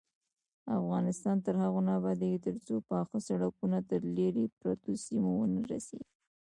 افغانستان تر هغو نه ابادیږي، ترڅو پاخه سړکونه تر لیرې پرتو سیمو ونه رسیږي.